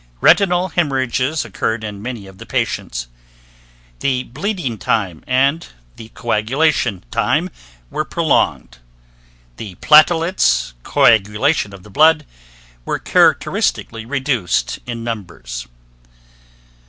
Retinal hemorrhages occurred in many of the patients. The bleeding time and the coagulation time were prolonged. The platelets (coagulation of the blood) were characteristically reduced in numbers.